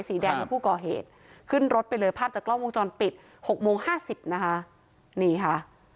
สีแดงเป็นผู้ก่อเหตุขึ้นรถไปเลยภาพจากกล้องวงจรปิด๖โมง๕๐นี่ค่ะ